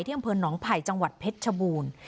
อำเภอหนองไผ่จังหวัดเพชรชบูรณ์